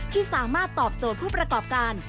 ที่สามารถตอบโจทย์ผู้ประกอบการ